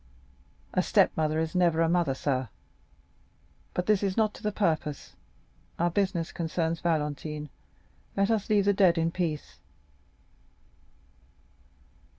"A stepmother is never a mother, sir. But this is not to the purpose,—our business concerns Valentine, let us leave the dead in peace."